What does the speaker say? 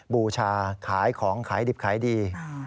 บูชาขายของขายดิบขายดี